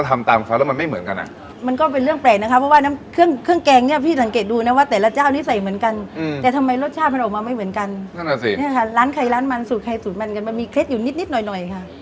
ทำไมรสชาติมันออกมาไม่เหมือนกันนั่นแหละสินี่ค่ะร้านไข่ร้านมันสูตรไข่สูตรมันกันมันมีเคล็ดอยู่นิดนิดหน่อยหน่อยค่ะ